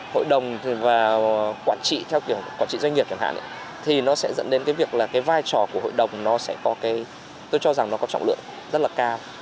hội đồng và quản trị theo kiểu quản trị doanh nghiệp chẳng hạn thì nó sẽ dẫn đến cái việc là cái vai trò của hội đồng nó sẽ có cái tôi cho rằng nó có trọng lượng rất là cao